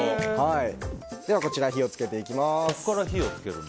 では火を付けていきます。